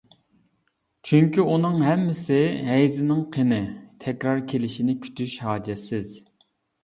چۈنكى ئۇنىڭ ھەممىسى ھەيزنىڭ قېنى، تەكرار كېلىشىنى كۈتۈش ھاجەتسىز.